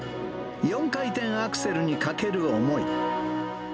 ４回転アクセルにかける思い。